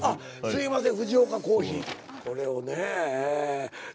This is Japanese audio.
すいません。